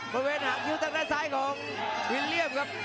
บริเวณหางคิ้วทางด้านซ้ายของวิลเลี่ยมครับ